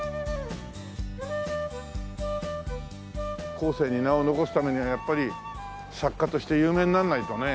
後世に名を残すためにはやっぱり作家として有名にならないとね。